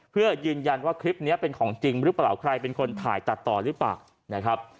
เพื่อยืนยันว่าคลิปนี้เป็นของจริงหรือเปล่าใครเป็นคนถ่ายตัดต่อหรือเปล่านะครับ